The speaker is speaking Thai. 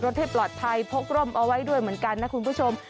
ให้ปลอดภัยพกร่มเอาไว้ด้วยเหมือนกันนะคุณผู้ชม